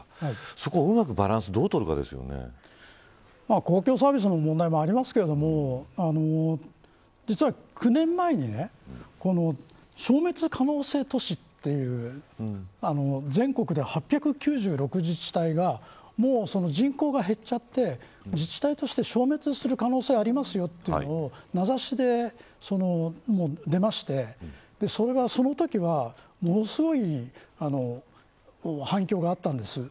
そこをうまくバランス公共サービスの問題もありますけれども実は９年前に消滅可能性都市という全国で８９６自治体が人口が減っちゃって自治体として消滅する可能性ありますよというのを名指しで出ましてそのときは、ものすごい反響があったんです。